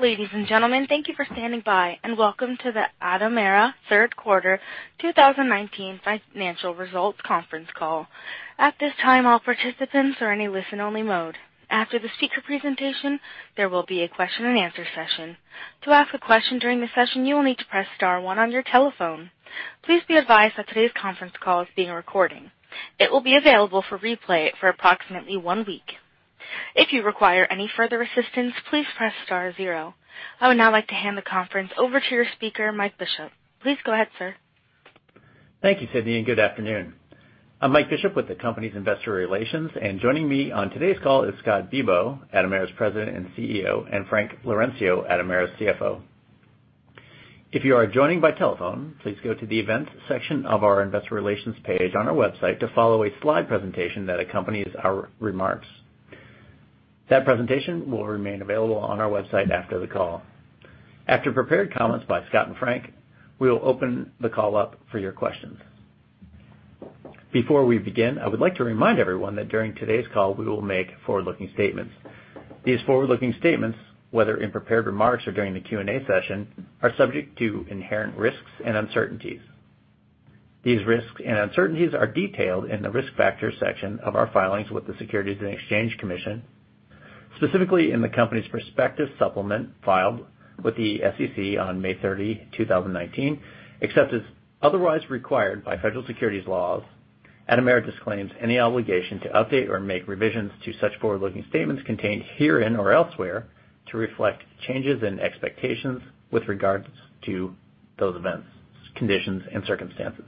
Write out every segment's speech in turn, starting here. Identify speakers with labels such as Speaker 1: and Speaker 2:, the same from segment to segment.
Speaker 1: Ladies and gentlemen, thank you for standing by and welcome to the Atomera third quarter 2019 financial results conference call. At this time, all participants are in a listen-only mode. After the speaker presentation, there will be a question and answer session. To ask a question during the session, you will need to press star one on your telephone. Please be advised that today's conference call is being recorded. It will be available for replay for approximately one week. If you require any further assistance, please press star zero. I would now like to hand the conference over to your speaker, Mike Bishop. Please go ahead, sir.
Speaker 2: Thank you, Sydney. Good afternoon. I'm Mike Bishop with the company's investor relations, and joining me on today's call is Scott Bibaud, Atomera's President and CEO, and Frank Laurencio, Atomera's CFO. If you are joining by telephone, please go to the Events section of our Investor Relations page on our website to follow a slide presentation that accompanies our remarks. That presentation will remain available on our website after the call. After prepared comments by Scott and Frank, we will open the call up for your questions. Before we begin, I would like to remind everyone that during today's call, we will make forward-looking statements. These forward-looking statements, whether in prepared remarks or during the Q&A session, are subject to inherent risks and uncertainties. These risks and uncertainties are detailed in the Risk Factors section of our filings with the Securities and Exchange Commission, specifically in the company's perspective supplement filed with the SEC on May 30, 2019. Except as otherwise required by federal securities laws, Atomera disclaims any obligation to update or make revisions to such forward-looking statements contained herein or elsewhere to reflect changes in expectations with regards to those events, conditions, and circumstances.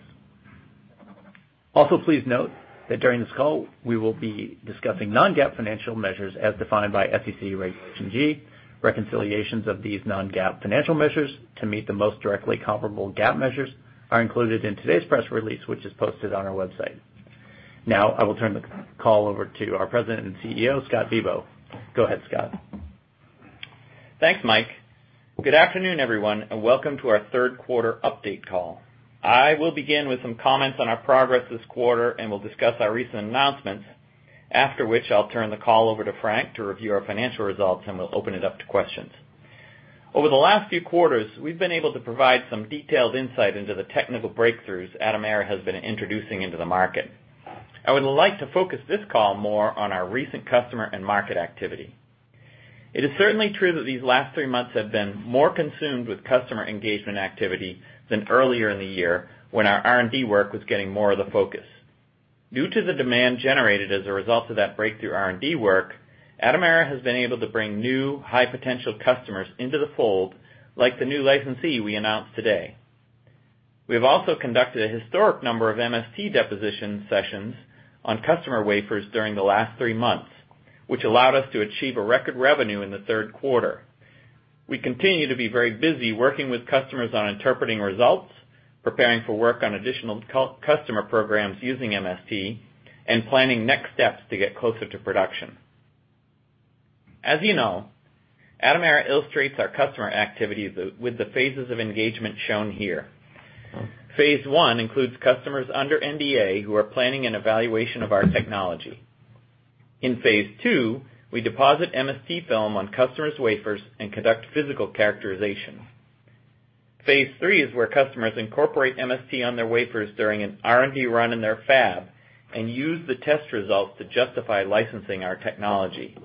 Speaker 2: Also, please note that during this call, we will be discussing non-GAAP financial measures as defined by SEC Regulation G. Reconciliations of these non-GAAP financial measures to meet the most directly comparable GAAP measures are included in today's press release, which is posted on our website. Now, I will turn the call over to our President and CEO, Scott Bibaud. Go ahead, Scott.
Speaker 3: Thanks, Mike. Good afternoon, everyone, welcome to our third quarter update call. I will begin with some comments on our progress this quarter, and we'll discuss our recent announcements. After which, I'll turn the call over to Frank to review our financial results, and we'll open it up to questions. Over the last few quarters, we've been able to provide some detailed insight into the technical breakthroughs Atomera has been introducing into the market. I would like to focus this call more on our recent customer and market activity. It is certainly true that these last three months have been more consumed with customer engagement activity than earlier in the year when our R&D work was getting more of the focus. Due to the demand generated as a result of that breakthrough R&D work, Atomera has been able to bring new high-potential customers into the fold, like the new licensee we announced today. We have also conducted a historic number of MST deposition sessions on customer wafers during the last three months, which allowed us to achieve a record revenue in the third quarter. We continue to be very busy working with customers on interpreting results, preparing for work on additional customer programs using MST, and planning next steps to get closer to production. As you know, Atomera illustrates our customer activities with the phases of engagement shown here. Phase one includes customers under NDA who are planning an evaluation of our technology. In phase two, we deposit MST film on customers' wafers and conduct physical characterization. Phase 3 is where customers incorporate MST on their wafers during an R&D run in their fab and use the test results to justify licensing our technology.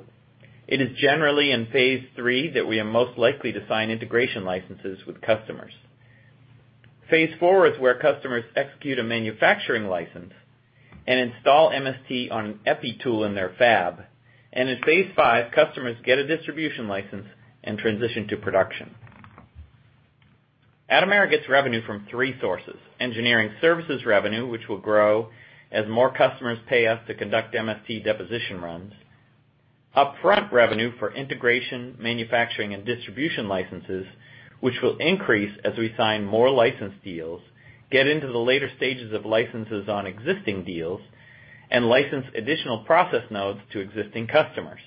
Speaker 3: It is generally in Phase 3 that we are most likely to sign integration licenses with customers. Phase 4 is where customers execute a manufacturing license and install MST on an epi tool in their fab. In Phase 5, customers get a distribution license and transition to production. Atomera gets revenue from three sources. Engineering services revenue, which will grow as more customers pay us to conduct MST deposition runs. Upfront revenue for integration, manufacturing, and distribution licenses, which will increase as we sign more license deals, get into the later stages of licenses on existing deals, and license additional process nodes to existing customers.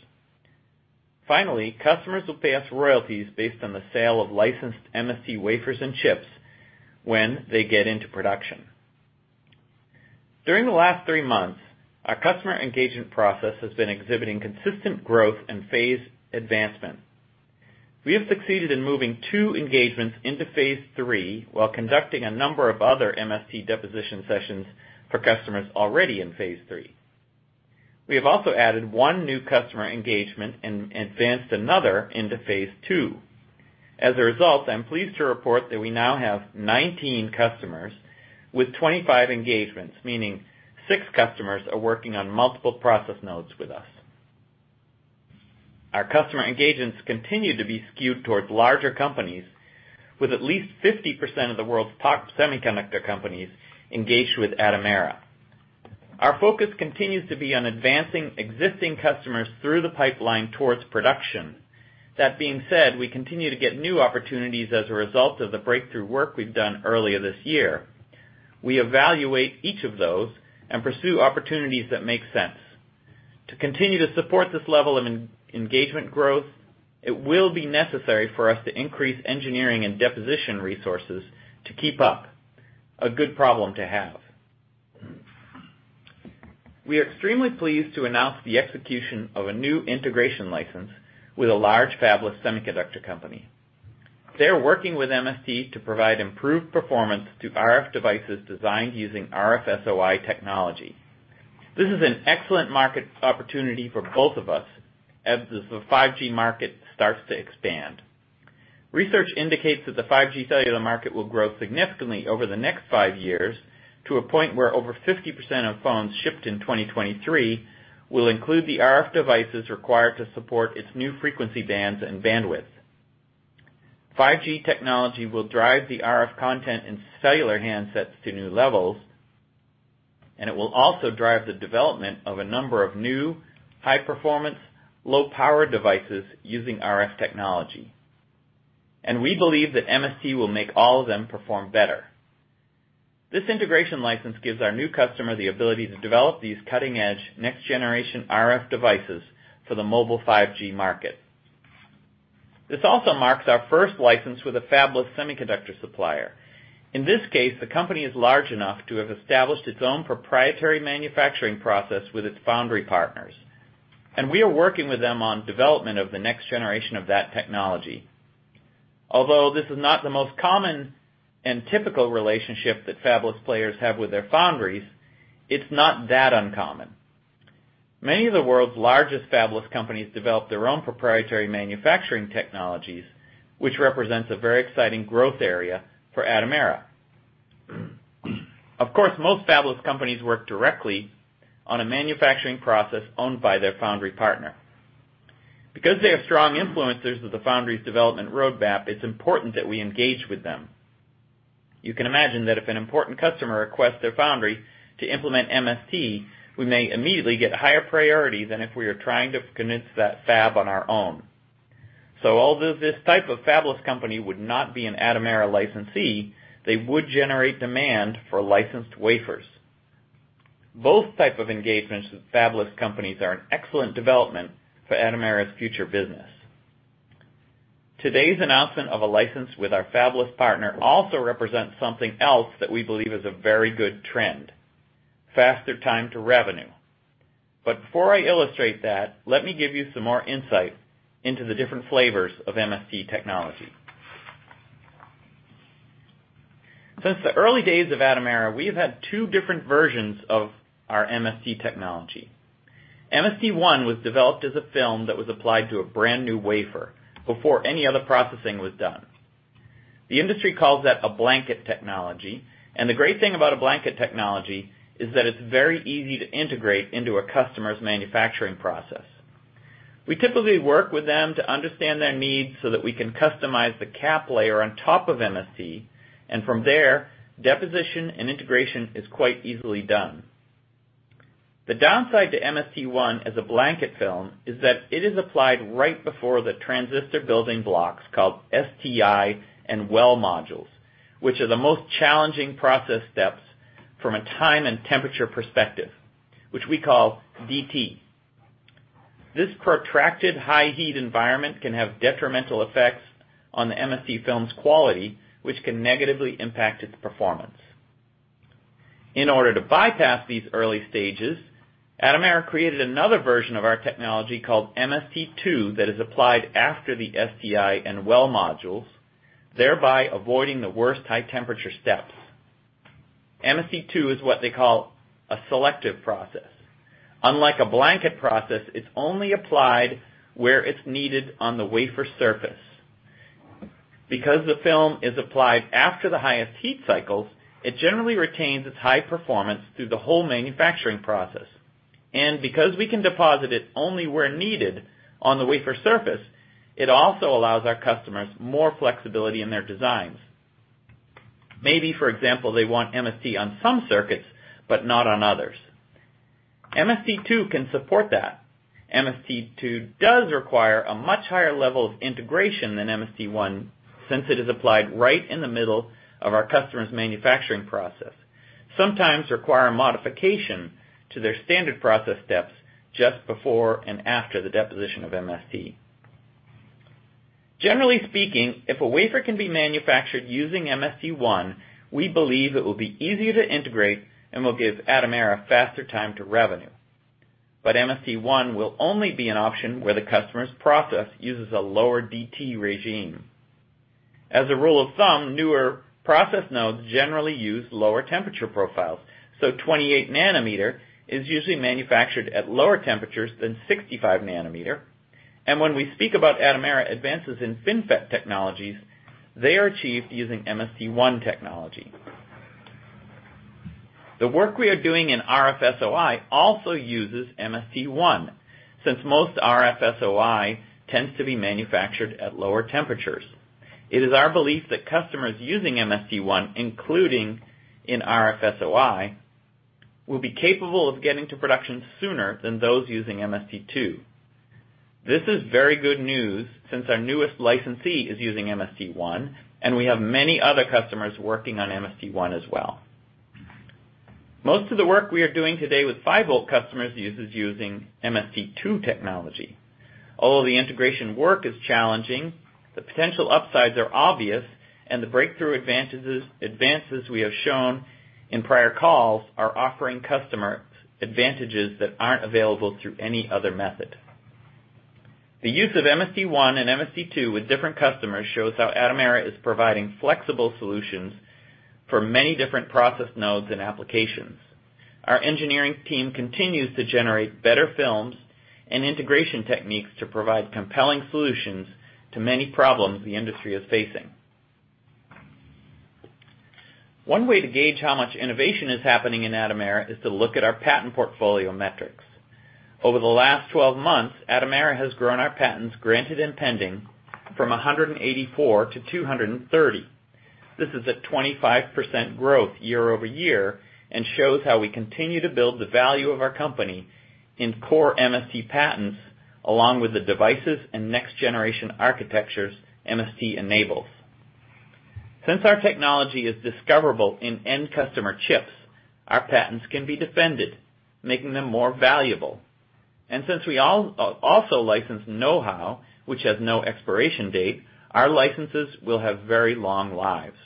Speaker 3: Finally, customers will pay us royalties based on the sale of licensed MST wafers and chips when they get into production. During the last three months, our customer engagement process has been exhibiting consistent growth and phase advancement. We have succeeded in moving two engagements into phase 3 while conducting a number of other MST deposition sessions for customers already in phase 3. We have also added one new customer engagement and advanced another into phase 2. As a result, I'm pleased to report that we now have 19 customers with 25 engagements, meaning six customers are working on multiple process nodes with us. Our customer engagements continue to be skewed towards larger companies, with at least 50% of the world's top semiconductor companies engaged with Atomera. Our focus continues to be on advancing existing customers through the pipeline towards production. That being said, we continue to get new opportunities as a result of the breakthrough work we've done earlier this year. We evaluate each of those and pursue opportunities that make sense. To continue to support this level of engagement growth, it will be necessary for us to increase engineering and deposition resources to keep up. A good problem to have. We are extremely pleased to announce the execution of a new integration license with a large fabless semiconductor company. They're working with MST to provide improved performance to RF devices designed using RFSOI technology. This is an excellent market opportunity for both of us as the 5G market starts to expand. Research indicates that the 5G cellular market will grow significantly over the next five years to a point where over 50% of phones shipped in 2023 will include the RF devices required to support its new frequency bands and bandwidth. 5G technology will drive the RF content in cellular handsets to new levels, and it will also drive the development of a number of new high-performance, low-power devices using RF technology, and we believe that MST will make all of them perform better. This integration license gives our new customer the ability to develop these cutting-edge, next-generation RF devices for the mobile 5G market. This also marks our first license with a fabless semiconductor supplier. In this case, the company is large enough to have established its own proprietary manufacturing process with its foundry partners, and we are working with them on development of the next generation of that technology. Although this is not the most common and typical relationship that fabless players have with their foundries, it's not that uncommon. Many of the world's largest fabless companies develop their own proprietary manufacturing technologies, which represents a very exciting growth area for Atomera. Of course, most fabless companies work directly on a manufacturing process owned by their foundry partner. They are strong influencers of the foundry's development roadmap, it's important that we engage with them. You can imagine that if an important customer requests their foundry to implement MST, we may immediately get higher priority than if we are trying to convince that fab on our own. Although this type of fabless company would not be an Atomera licensee, they would generate demand for licensed wafers. Both type of engagements with fabless companies are an excellent development for Atomera's future business. Today's announcement of a license with our fabless partner also represents something else that we believe is a very good trend, faster time to revenue. Before I illustrate that, let me give you some more insight into the different flavors of MST technology. Since the early days of Atomera, we have had two different versions of our MST technology. MST1 was developed as a film that was applied to a brand-new wafer before any other processing was done. The industry calls that a blanket technology, and the great thing about a blanket technology is that it's very easy to integrate into a customer's manufacturing process. We typically work with them to understand their needs so that we can customize the cap layer on top of MST, and from there, deposition and integration is quite easily done. The downside to MST1 as a blanket film is that it is applied right before the transistor building blocks called STI and well modules, which are the most challenging process steps from a time and temperature perspective, which we call DT. This protracted high-heat environment can have detrimental effects on the MST film's quality, which can negatively impact its performance. In order to bypass these early stages, Atomera created another version of our technology called MST2 that is applied after the STI and well modules, thereby avoiding the worst high-temperature steps. MST2 is what they call a selective process. Unlike a blanket process, it's only applied where it's needed on the wafer surface. Because the film is applied after the highest heat cycles, it generally retains its high performance through the whole manufacturing process. Because we can deposit it only where needed on the wafer surface, it also allows our customers more flexibility in their designs. Maybe, for example, they want MST on some circuits, but not on others. MST2 can support that. MST2 does require a much higher level of integration than MST1, since it is applied right in the middle of our customer's manufacturing process, sometimes require a modification to their standard process steps just before and after the deposition of MST. Generally speaking, if a wafer can be manufactured using MST1, we believe it will be easier to integrate and will give Atomera faster time to revenue. MST1 will only be an option where the customer's process uses a lower DT regime. As a rule of thumb, newer process nodes generally use lower temperature profiles. 28 nanometer is usually manufactured at lower temperatures than 65 nanometer. When we speak about Atomera advances in FinFET technologies, they are achieved using MST1 technology. The work we are doing in RFSOI also uses MST1, since most RFSOI tends to be manufactured at lower temperatures. It is our belief that customers using MST1, including in RFSOI, will be capable of getting to production sooner than those using MST2. This is very good news since our newest licensee is using MST1, and we have many other customers working on MST1 as well. Most of the work we are doing today with five-volt customers is using MST2 technology. Although the integration work is challenging, the potential upsides are obvious, and the breakthrough advances we have shown in prior calls are offering customer advantages that aren't available through any other method. The use of MST1 and MST2 with different customers shows how Atomera is providing flexible solutions for many different process nodes and applications. Our engineering team continues to generate better films and integration techniques to provide compelling solutions to many problems the industry is facing. One way to gauge how much innovation is happening in Atomera is to look at our patent portfolio metrics. Over the last 12 months, Atomera has grown our patents granted and pending from 184 to 230. This is a 25% growth year-over-year and shows how we continue to build the value of our company in core MST patents, along with the devices and next generation architectures MST enables. Since our technology is discoverable in end customer chips, our patents can be defended, making them more valuable. Since we also license knowhow, which has no expiration date, our licenses will have very long lives.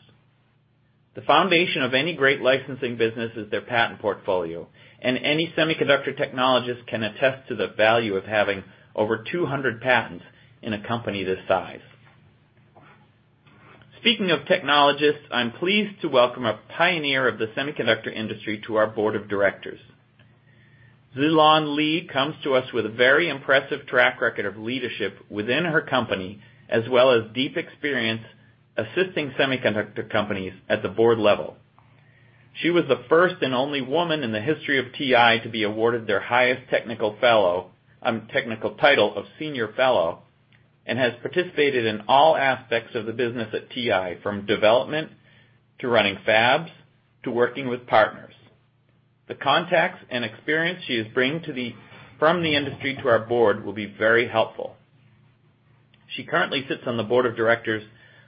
Speaker 3: The foundation of any great licensing business is their patent portfolio, and any semiconductor technologist can attest to the value of having over 200 patents in a company this size. Speaking of technologists, I'm pleased to welcome a pioneer of the semiconductor industry to our board of directors. Duy-Loan Le comes to us with a very impressive track record of leadership within her company, as well as deep experience assisting semiconductor companies at the board level. She was the first and only woman in the history of TI to be awarded their highest technical title of Senior Fellow, and has participated in all aspects of the business at TI, from development to running fabs to working with partners. The contacts and experience she is bringing from the industry to our board will be very helpful. She currently sits on the board of directors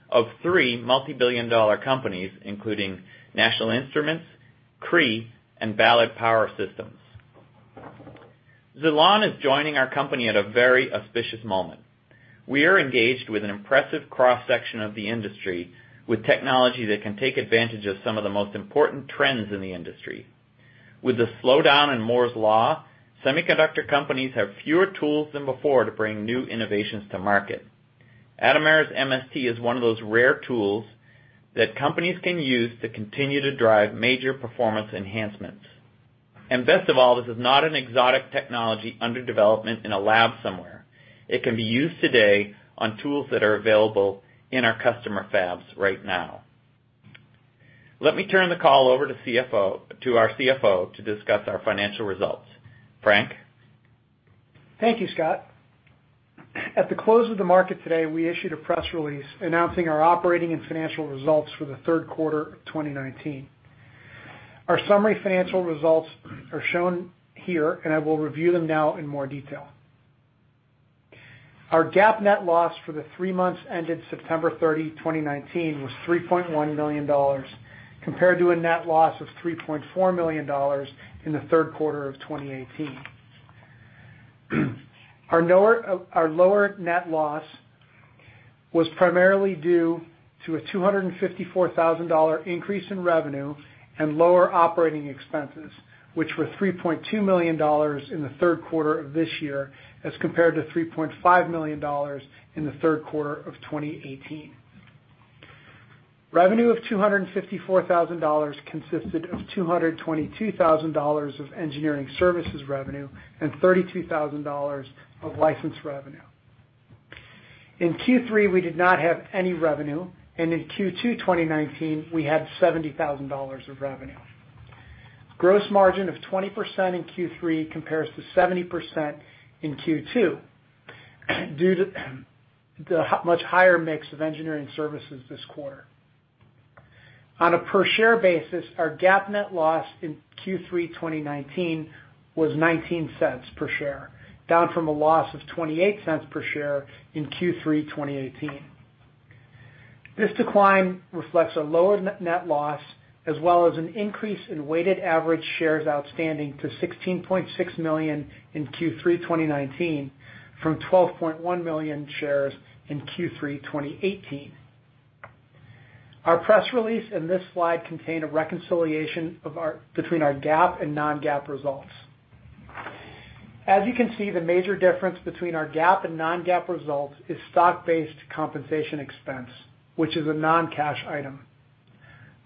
Speaker 3: of three multibillion-dollar companies, including National Instruments, Cree, and Ballard Power Systems. Zilong is joining our company at a very auspicious moment. We are engaged with an impressive cross-section of the industry with technology that can take advantage of some of the most important trends in the industry. With the slowdown in Moore's Law, semiconductor companies have fewer tools than before to bring new innovations to market. Atomera's MST is one of those rare tools that companies can use to continue to drive major performance enhancements. Best of all, this is not an exotic technology under development in a lab somewhere. It can be used today on tools that are available in our customer fabs right now. Let me turn the call over to our CFO to discuss our financial results. Frank?
Speaker 4: Thank you, Scott. At the close of the market today, we issued a press release announcing our operating and financial results for the third quarter of 2019. Our summary financial results are shown here, and I will review them now in more detail. Our GAAP net loss for the three months ended September 30, 2019, was $3.1 million, compared to a net loss of $3.4 million in the third quarter of 2018. Our lower net loss was primarily due to a $254,000 increase in revenue and lower operating expenses, which were $3.2 million in the third quarter of this year as compared to $3.5 million in the third quarter of 2018. Revenue of $254,000 consisted of $222,000 of engineering services revenue and $32,000 of license revenue. In Q3, we did not have any revenue, and in Q2 2019, we had $70,000 of revenue. Gross margin of 20% in Q3 compares to 70% in Q2, due to the much higher mix of engineering services this quarter. On a per-share basis, our GAAP net loss in Q3 2019 was $0.19 per share, down from a loss of $0.28 per share in Q3 2018. This decline reflects a lower net loss, as well as an increase in weighted average shares outstanding to 16.6 million in Q3 2019 from 12.1 million shares in Q3 2018. Our press release and this slide contain a reconciliation between our GAAP and non-GAAP results. As you can see, the major difference between our GAAP and non-GAAP results is stock-based compensation expense, which is a non-cash item.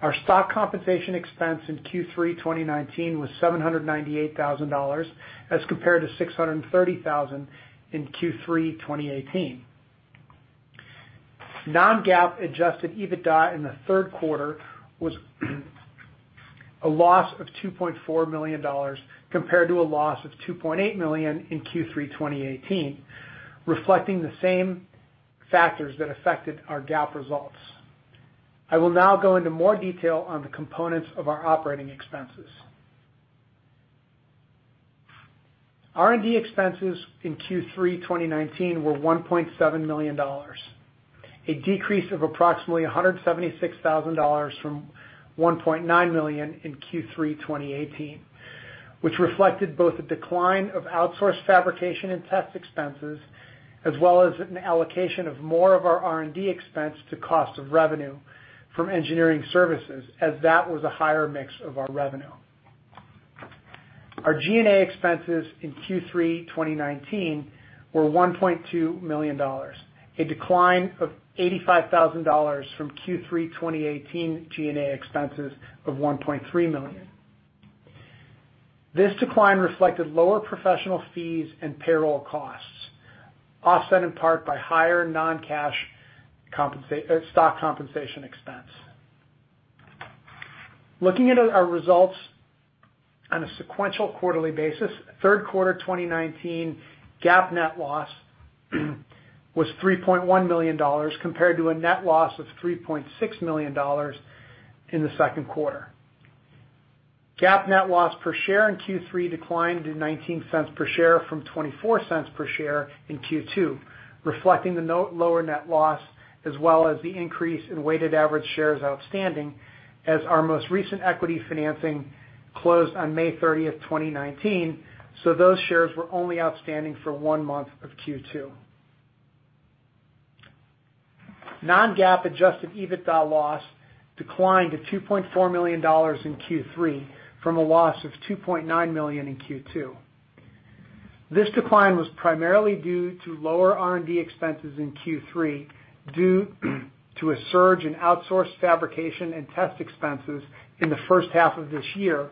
Speaker 4: Our stock compensation expense in Q3 2019 was $798,000 as compared to $630,000 in Q3 2018. Non-GAAP adjusted EBITDA in the third quarter was a loss of $2.4 million, compared to a loss of $2.8 million in Q3 2018, reflecting the same factors that affected our GAAP results. I will now go into more detail on the components of our operating expenses. R&D expenses in Q3 2019 were $1.7 million. A decrease of approximately $176,000 from $1.9 million in Q3 2018, which reflected both a decline of outsourced fabrication and test expenses, as well as an allocation of more of our R&D expense to cost of revenue from engineering services, as that was a higher mix of our revenue. Our G&A expenses in Q3 2019 were $1.2 million, a decline of $85,000 from Q3 2018 G&A expenses of $1.3 million. This decline reflected lower professional fees and payroll costs, offset in part by higher non-cash stock compensation expense. Looking at our results on a sequential quarterly basis, third quarter 2019 GAAP net loss was $3.1 million, compared to a net loss of $3.6 million in the second quarter. GAAP net loss per share in Q3 declined to $0.19 per share from $0.24 per share in Q2, reflecting the lower net loss, as well as the increase in weighted average shares outstanding as our most recent equity financing closed on May 30th, 2019. Those shares were only outstanding for one month of Q2. Non-GAAP adjusted EBITDA loss declined to $2.4 million in Q3 from a loss of $2.9 million in Q2. This decline was primarily due to lower R&D expenses in Q3, due to a surge in outsourced fabrication and test expenses in the first half of this year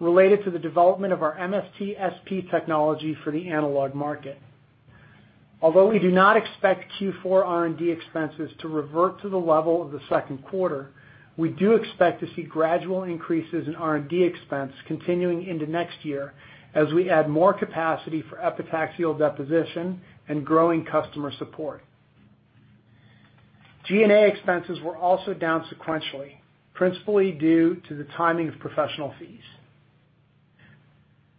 Speaker 4: related to the development of our MST-SP technology for the analog market. Although we do not expect Q4 R&D expenses to revert to the level of the second quarter, we do expect to see gradual increases in R&D expense continuing into next year as we add more capacity for epitaxial deposition and growing customer support. G&A expenses were also down sequentially, principally due to the timing of professional fees.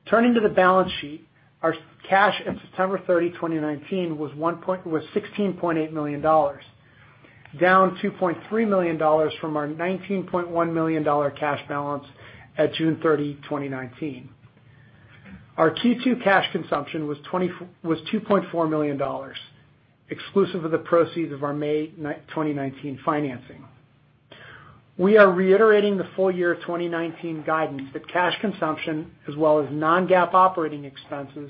Speaker 4: Turning to the balance sheet, our cash at September 30, 2019 was $16.8 million, down $2.3 million from our $19.1 million cash balance at June 30, 2019. Our Q2 cash consumption was $2.4 million, exclusive of the proceeds of our May 2019 financing. We are reiterating the full year 2019 guidance that cash consumption as well as non-GAAP operating expenses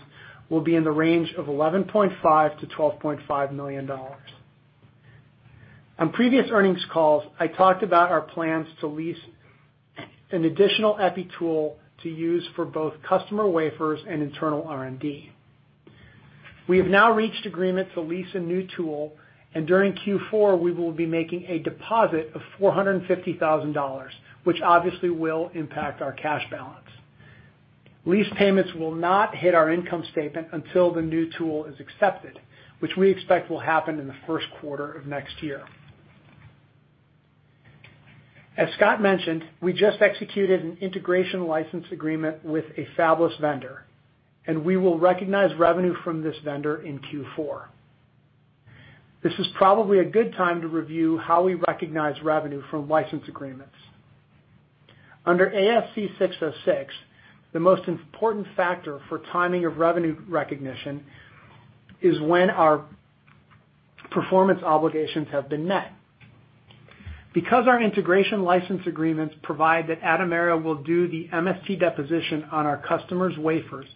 Speaker 4: will be in the range of $11.5 million-$12.5 million. On previous earnings calls, I talked about our plans to lease an additional epi tool to use for both customer wafers and internal R&D. We have now reached agreement to lease a new tool, and during Q4, we will be making a deposit of $450,000, which obviously will impact our cash balance. Lease payments will not hit our income statement until the new tool is accepted, which we expect will happen in the first quarter of next year. As Scott mentioned, we just executed an integration license agreement with a fabless vendor, and we will recognize revenue from this vendor in Q4. This is probably a good time to review how we recognize revenue from license agreements. Under ASC 606, the most important factor for timing of revenue recognition is when our performance obligations have been met. Because our integration license agreements provide that Atomera will do the MST deposition on our customers' wafers,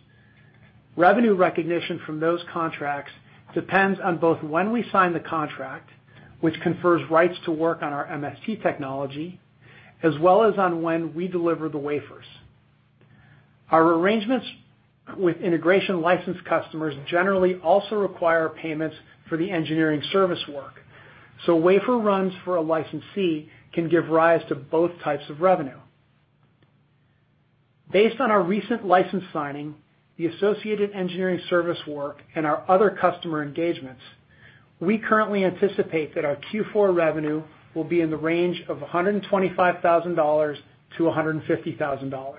Speaker 4: revenue recognition from those contracts depends on both when we sign the contract, which confers rights to work on our MST technology, as well as on when we deliver the wafers. Our arrangements with integration license customers generally also require payments for the engineering service work, so wafer runs for a licensee can give rise to both types of revenue. Based on our recent license signing, the associated engineering service work, and our other customer engagements, we currently anticipate that our Q4 revenue will be in the range of $125,000-$150,000.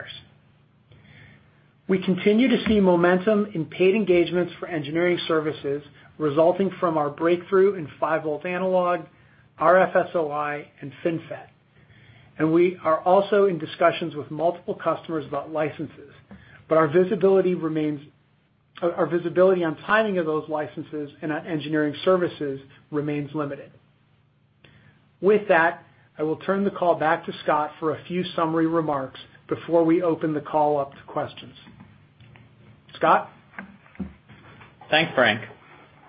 Speaker 4: We continue to see momentum in paid engagements for engineering services resulting from our breakthrough in five-volt analog, RF SOI, and FinFET. We are also in discussions with multiple customers about licenses, but our visibility on timing of those licenses and on engineering services remains limited. With that, I will turn the call back to Scott for a few summary remarks before we open the call up to questions. Scott?
Speaker 3: Thanks, Frank.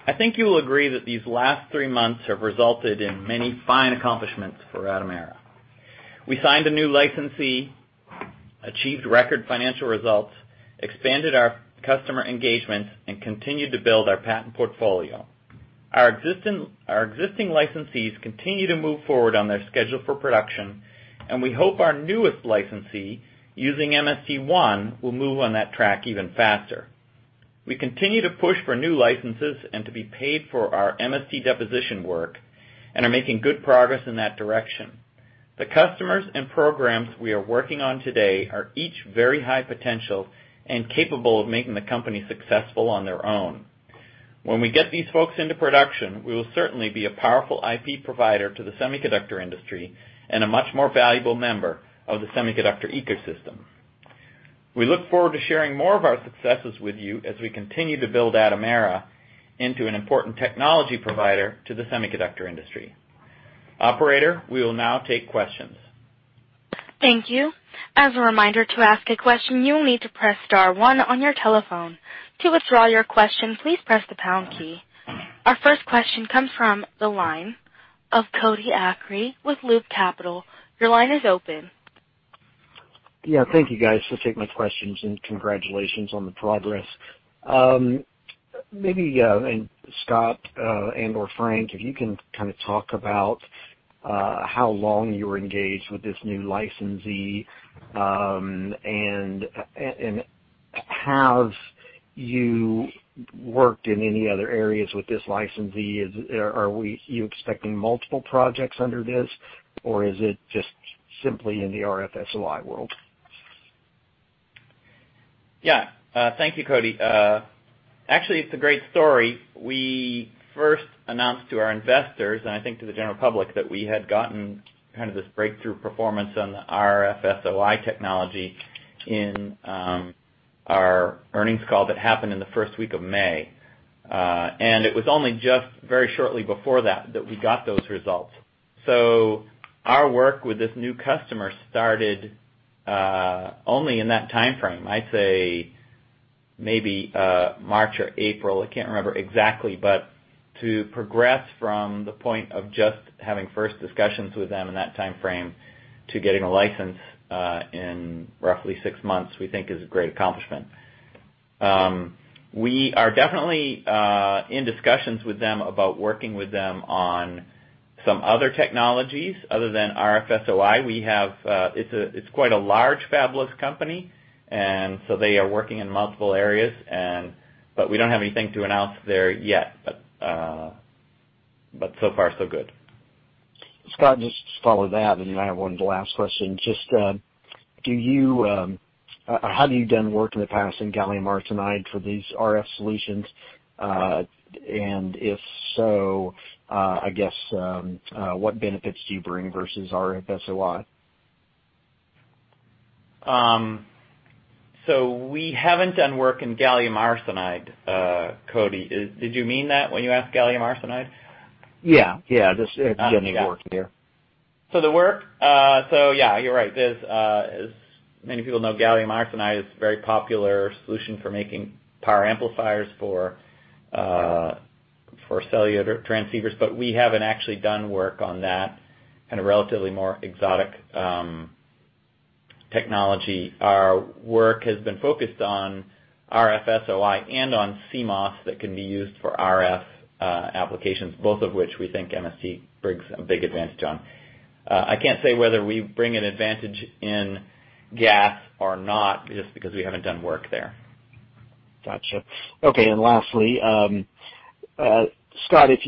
Speaker 3: I think you will agree that these last three months have resulted in many fine accomplishments for Atomera. We signed a new licensee, achieved record financial results, expanded our customer engagements, and continued to build our patent portfolio. Our existing licensees continue to move forward on their schedule for production, and we hope our newest licensee, using MST1, will move on that track even faster. We continue to push for new licenses and to be paid for our MST deposition work and are making good progress in that direction. The customers and programs we are working on today are each very high potential and capable of making the company successful on their own. When we get these folks into production, we will certainly be a powerful IP provider to the semiconductor industry and a much more valuable member of the semiconductor ecosystem. We look forward to sharing more of our successes with you as we continue to build Atomera into an important technology provider to the semiconductor industry. Operator, we will now take questions.
Speaker 1: Thank you. As a reminder, to ask a question, you will need to press star one on your telephone. To withdraw your question, please press the pound key. Our first question comes from the line of Cody Acree with Loop Capital. Your line is open.
Speaker 5: Yeah. Thank you, guys, for taking my questions, and congratulations on the progress. Scott and/or Frank, if you can kind of talk about how long you were engaged with this new licensee, and have you worked in any other areas with this licensee? Are you expecting multiple projects under this, or is it just simply in the RF SOI world?
Speaker 3: Thank you, Cody. Actually, it's a great story. We first announced to our investors, and I think to the general public, that we had gotten kind of this breakthrough performance on the RF SOI technology in our earnings call that happened in the first week of May. It was only just very shortly before that we got those results. Our work with this new customer started, only in that timeframe. I'd say maybe, March or April. I can't remember exactly, but to progress from the point of just having first discussions with them in that timeframe to getting a license, in roughly 6 months, we think is a great accomplishment. We are definitely in discussions with them about working with them on some other technologies other than RF SOI. It's quite a large fabless company, they are working in multiple areas, but we don't have anything to announce there yet. So far so good.
Speaker 5: Scott, just to follow that, and then I have one last question. Have you done work in the past in gallium arsenide for these RF solutions? If so, I guess, what benefits do you bring versus RF SOI?
Speaker 3: We haven't done work in gallium arsenide, Cody. Did you mean that when you asked gallium arsenide?
Speaker 5: Yeah. Just if you've done any work there.
Speaker 3: The work, yeah, you're right. As many people know, gallium arsenide is a very popular solution for making power amplifiers for cellular transceivers. We haven't actually done work on that kind of relatively more exotic technology. Our work has been focused on RF SOI and on CMOS that can be used for RF applications, both of which we think MST brings a big advantage on. I can't say whether we bring an advantage in GaAs or not, just because we haven't done work there.
Speaker 5: Got you. Okay, lastly, Scott, if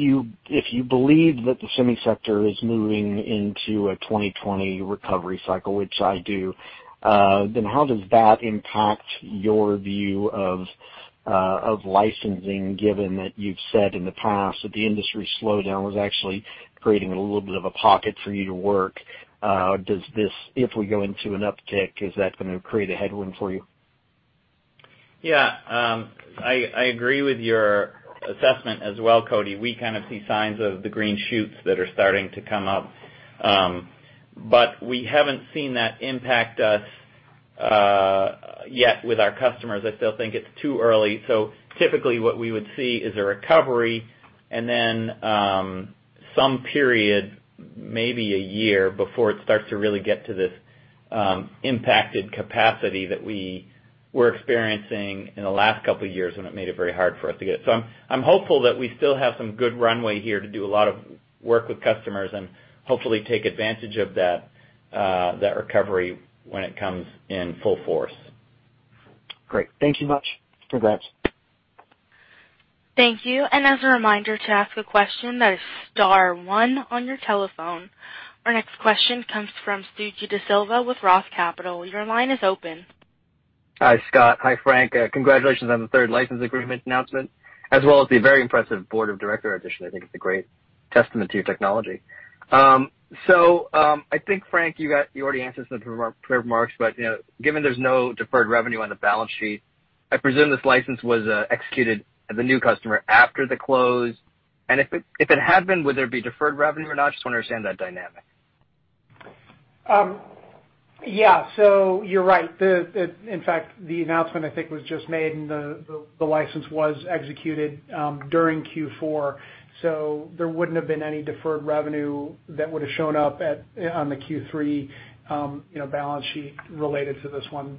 Speaker 5: you believe that the semi sector is moving into a 2020 recovery cycle, which I do, then how does that impact your view of licensing, given that you've said in the past that the industry slowdown was actually creating a little bit of a pocket for you to work. If we go into an uptick, is that going to create a headwind for you?
Speaker 3: I agree with your assessment as well, Cody. We kind of see signs of the green shoots that are starting to come up. We haven't seen that impact us yet with our customers. I still think it's too early. Typically, what we would see is a recovery and then some period, maybe a year, before it starts to really get to this impacted capacity that we were experiencing in the last couple of years, and it made it very hard for us to get. I'm hopeful that we still have some good runway here to do a lot of work with customers and hopefully take advantage of that recovery when it comes in full force.
Speaker 5: Great. Thank you much. Congrats.
Speaker 1: Thank you. As a reminder, to ask a question, that is star one on your telephone. Our next question comes from Suji Desilva with Roth Capital. Your line is open.
Speaker 6: Hi, Scott. Hi, Frank. Congratulations on the third license agreement announcement, as well as the very impressive board of director addition. I think it's a great testament to your technology. I think, Frank, you already answered this in the prepared remarks, but given there's no deferred revenue on the balance sheet, I presume this license was executed at the new customer after the close, and if it had been, would there be deferred revenue or not? I just want to understand that dynamic.
Speaker 4: You're right. In fact, the announcement, I think, was just made, and the license was executed during Q4. There wouldn't have been any deferred revenue that would have shown up on the Q3 balance sheet related to this one.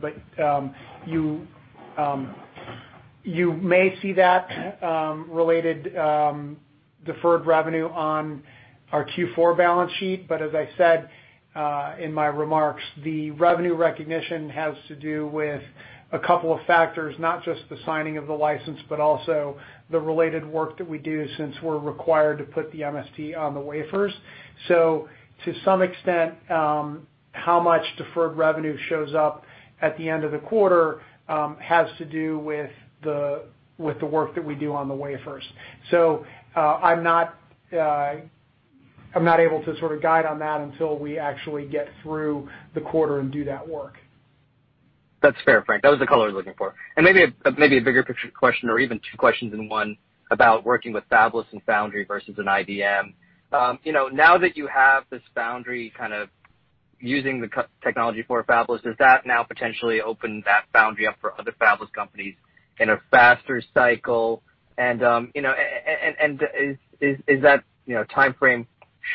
Speaker 4: You may see that related deferred revenue on our Q4 balance sheet. As I said in my remarks, the revenue recognition has to do with a couple of factors, not just the signing of the license, but also the related work that we do since we're required to put the MST on the wafers. To some extent, how much deferred revenue shows up at the end of the quarter has to do with the work that we do on the wafers. I'm not able to sort of guide on that until we actually get through the quarter and do that work.
Speaker 6: That's fair, Frank. That was the color I was looking for. Maybe a bigger picture question or even two questions in one about working with fabless and foundry versus an IDM. Now that you have this foundry kind of using the technology for fabless, does that now potentially open that foundry up for other fabless companies in a faster cycle? Is that timeframe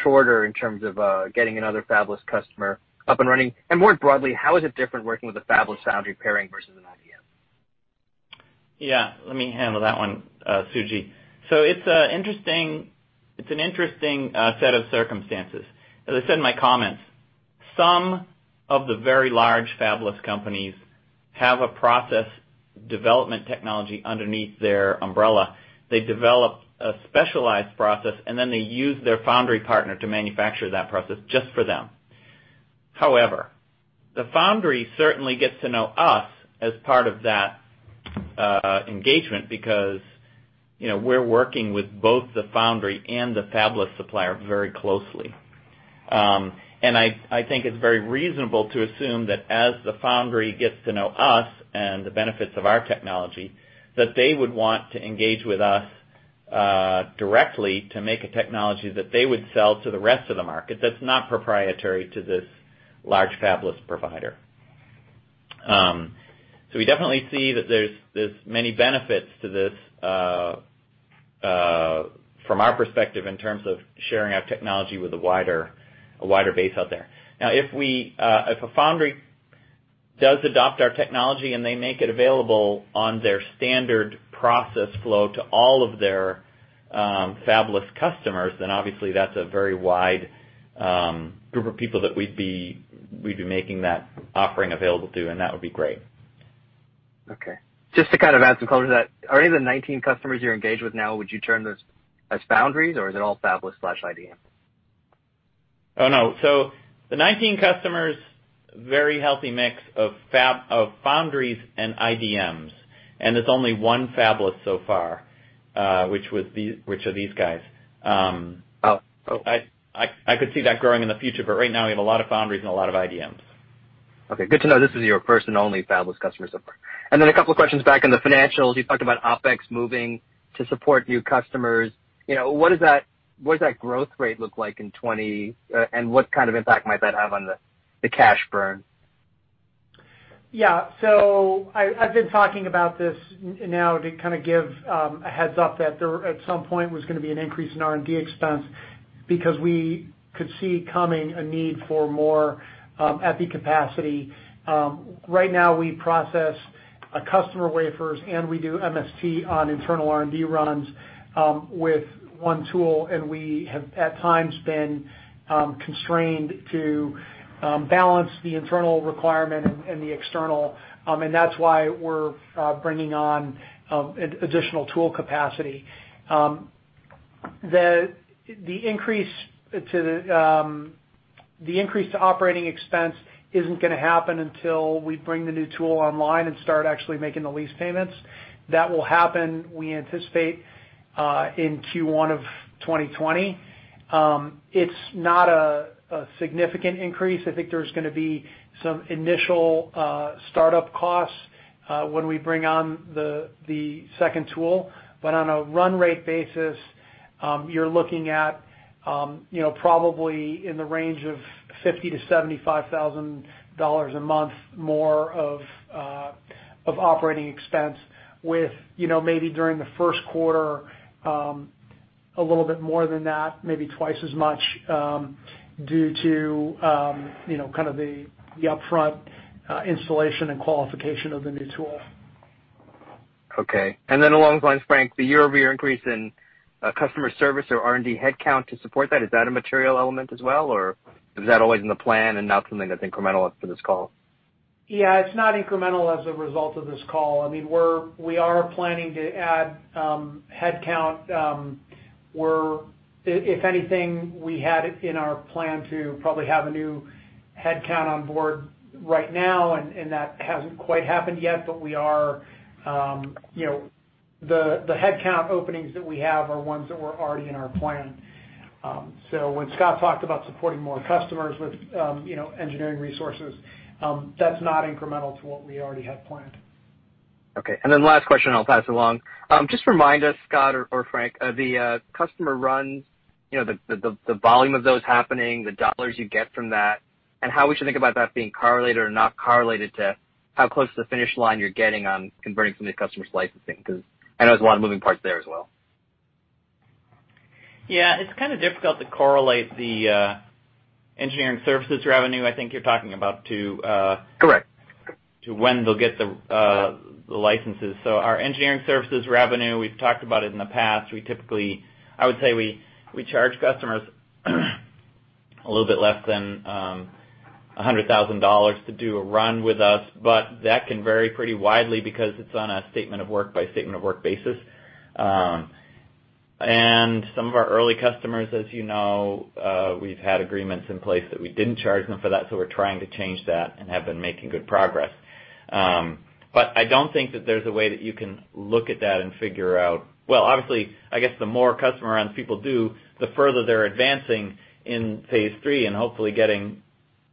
Speaker 6: shorter in terms of getting another fabless customer up and running? More broadly, how is it different working with a fabless foundry pairing versus an IDM?
Speaker 3: Let me handle that one, Suji. It's an interesting set of circumstances. As I said in my comments, some of the very large fabless companies have a process development technology underneath their umbrella. They develop a specialized process, then they use their foundry partner to manufacture that process just for them. However, the foundry certainly gets to know us as part of that engagement because we're working with both the foundry and the fabless supplier very closely. I think it's very reasonable to assume that as the foundry gets to know us and the benefits of our technology, that they would want to engage with us directly to make a technology that they would sell to the rest of the market that's not proprietary to this large fabless provider. We definitely see that there's many benefits to this from our perspective, in terms of sharing our technology with a wider base out there. If a foundry does adopt our technology, and they make it available on their standard process flow to all of their fabless customers, then obviously that's a very wide group of people that we'd be making that offering available to, and that would be great.
Speaker 6: Okay. Just to kind of add some color to that, are any of the 19 customers you're engaged with now, would you term those as foundries, or is it all fabless/IDM?
Speaker 3: Oh, no. The 19 customers, very healthy mix of foundries and IDMs, and it's only one fabless so far, which are these guys.
Speaker 6: Oh, okay.
Speaker 3: I could see that growing in the future, but right now we have a lot of foundries and a lot of IDMs.
Speaker 6: Okay. Good to know this is your first and only fabless customer so far. A couple questions back in the financials. You talked about OpEx moving to support new customers. What does that growth rate look like in 2020, and what kind of impact might that have on the cash burn?
Speaker 4: I've been talking about this now to kind of give a heads-up that there, at some point, was going to be an increase in R&D expense because we could see coming a need for more EPI capacity. Right now, we process customer wafers, we do MST on internal R&D runs with one tool, and we have, at times, been constrained to balance the internal requirement and the external. That's why we're bringing on additional tool capacity. The increase to operating expense isn't going to happen until we bring the new tool online and start actually making the lease payments. That will happen, we anticipate, in Q1 of 2020. It's not a significant increase. I think there's going to be some initial startup costs when we bring on the second tool. On a run rate basis, you're looking at probably in the range of $50,000 to $75,000 a month more of operating expense with, maybe during the first quarter, a little bit more than that, maybe twice as much, due to kind of the upfront installation and qualification of the new tool.
Speaker 6: Okay. Along those lines, Frank, the year-over-year increase in customer service or R&D headcount to support that, is that a material element as well, or is that all in the plan and not something that's incremental as for this call?
Speaker 4: It's not incremental as a result of this call. We are planning to add headcount. If anything, we had in our plan to probably have a new headcount on board right now, and that hasn't quite happened yet. The headcount openings that we have are ones that were already in our plan. When Scott talked about supporting more customers with engineering resources, that's not incremental to what we already had planned.
Speaker 6: Okay. Last question, I'll pass it along. Just remind us, Scott or Frank, the customer runs, the volume of those happening, the dollars you get from that, and how we should think about that being correlated or not correlated to how close to the finish line you're getting on converting some of these customers to licensing, because I know there's a lot of moving parts there as well.
Speaker 3: Yeah. It's kind of difficult to correlate the engineering services revenue, I think you're talking about to.
Speaker 6: Correct
Speaker 3: to when they'll get the licenses. Our engineering services revenue, we've talked about it in the past. I would say we charge customers a little bit less than $100,000 to do a run with us, but that can vary pretty widely because it's on a statement of work by statement of work basis. Some of our early customers, as you know, we've had agreements in place that we didn't charge them for that. We're trying to change that and have been making good progress. I don't think that there's a way that you can look at that and figure out Well, obviously, I guess the more customer runs people do, the further they're advancing in phase three and hopefully getting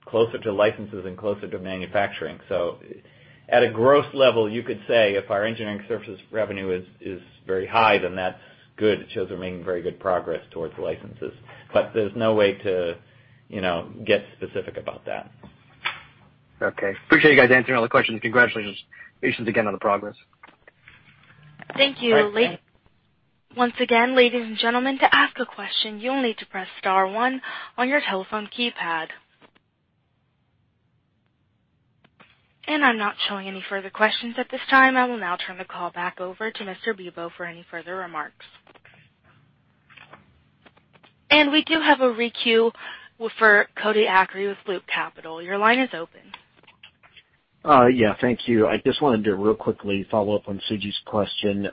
Speaker 3: closer to licenses and closer to manufacturing. At a gross level, you could say if our engineering services revenue is very high, then that's good. It shows we're making very good progress towards licenses. There's no way to get specific about that.
Speaker 6: Okay. Appreciate you guys answering all the questions. Congratulations again on the progress.
Speaker 1: Thank you. Once again, ladies and gentlemen, to ask a question, you'll need to press star one on your telephone keypad. I'm not showing any further questions at this time. I will now turn the call back over to Mr. Bibaud for any further remarks. We do have a re-queue for Cody Acree with Loop Capital. Your line is open.
Speaker 5: Yeah. Thank you. I just wanted to real quickly follow up on Suji's question.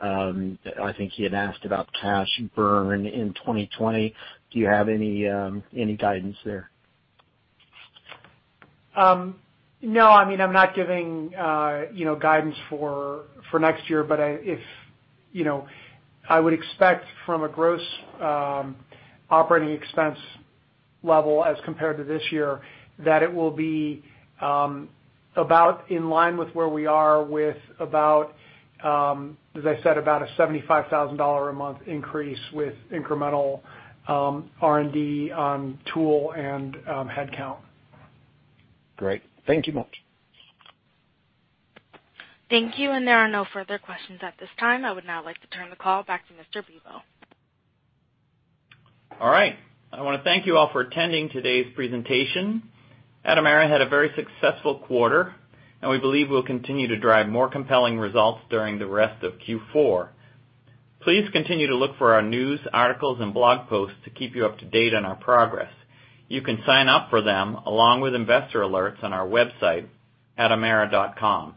Speaker 5: I think he had asked about cash burn in 2020. Do you have any guidance there?
Speaker 4: No. I'm not giving guidance for next year, but I would expect from a gross operating expense level as compared to this year, that it will be about in line with where we are with about, as I said, about a $75,000 a month increase with incremental R&D on tool and headcount.
Speaker 5: Great. Thank you much.
Speaker 1: Thank you. There are no further questions at this time. I would now like to turn the call back to Mr. Bibaud.
Speaker 3: All right. I want to thank you all for attending today's presentation. Atomera had a very successful quarter, and we believe we'll continue to drive more compelling results during the rest of Q4. Please continue to look for our news, articles, and blog posts to keep you up to date on our progress. You can sign up for them along with investor alerts on our website at atomera.com.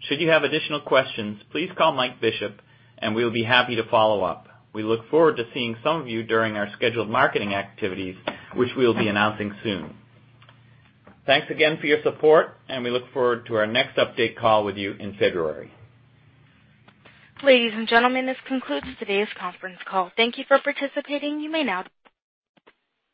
Speaker 3: Should you have additional questions, please call Mike Bishop, and we will be happy to follow up. We look forward to seeing some of you during our scheduled marketing activities, which we'll be announcing soon. Thanks again for your support, and we look forward to our next update call with you in February.
Speaker 1: Ladies and gentlemen, this concludes today's conference call. Thank you for participating.